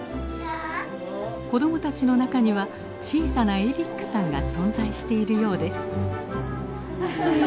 子どもたちの中には小さなエリックさんが存在しているようです